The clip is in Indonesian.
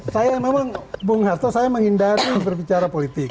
saya memang bung harto saya menghindari berbicara politik